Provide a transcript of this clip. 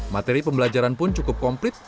materi pembelajaran pun cukup komplit